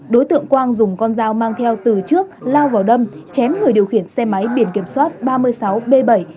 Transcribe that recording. đối tượng quang dùng con dao mang theo từ trước lao vào đâm chém người điều khiển xe máy biển kiểm soát ba mươi sáu b bảy sáu mươi một nghìn ba trăm bốn mươi hai